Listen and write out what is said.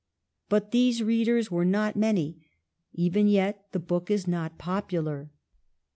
But these readers were not many ; even yet the book is not popular.